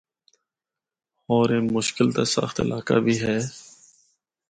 ہور اے مشکل تے سخت علاقہ بھی ہے۔